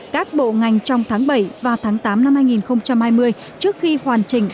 các bộ ngành trong tháng bảy và tháng tám năm hai nghìn hai mươi trước khi hoàn chỉnh